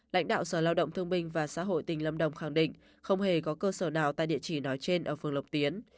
lãnh đạo sở lao động thương minh và xã hội tỉnh lâm đồng khẳng định không hề có cơ sở nào tại địa chỉ nói trên ở phường lộc tiến